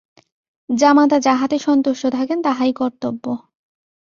জামাতা যাহাতে সন্তুষ্ট থাকেন তাহাই কর্তব্য।